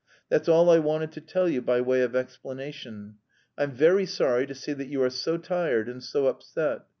That's all I wanted to tell you by way of explanation. I'm very sorry to see that you are so tired and so upset.